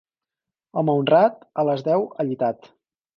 Home honrat, a les deu allitat.